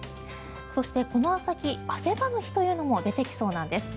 そして、この先汗ばむ日というのも出てきそうなんです。